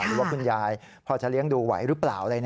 หรือว่าคุณยายพอจะเลี้ยงดูไหวหรือเปล่า